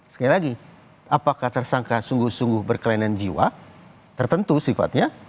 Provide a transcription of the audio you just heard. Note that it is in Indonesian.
sekali lagi apakah tersangka sungguh sungguh berkelainan jiwa tertentu sifatnya